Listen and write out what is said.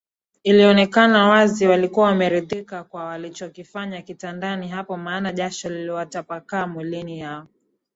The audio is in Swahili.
ilionekana wazi walikuwa wameridhika kwa walichokifanya kitandani hapo maana jasho liliwatapakaa miilini mwao